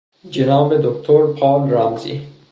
جناب دکتر پال رمزی